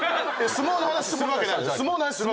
相撲の話するわけない。